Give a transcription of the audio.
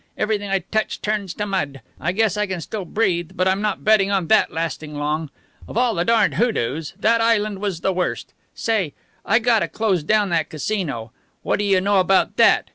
Everything I touch turns to mud. I guess I can still breathe, but I'm not betting on that lasting long. Of all the darned hoodoos that island was the worst. Say, I gotta close down that Casino. What do you know about that!